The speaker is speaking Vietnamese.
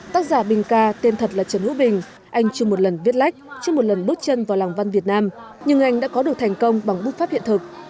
tác giả bình ca tên thật là trần hữu bình anh chưa một lần viết lách chưa một lần bước chân vào làng văn việt nam nhưng anh đã có được thành công bằng bút pháp hiện thực